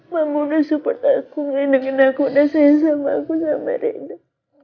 mama sudah support aku mengandungin aku sudah sayang sama aku sama reina